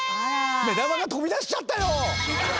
目玉が飛び出しちゃったよ！